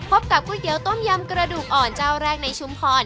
กับก๋วยเตี๋ยต้มยำกระดูกอ่อนเจ้าแรกในชุมพร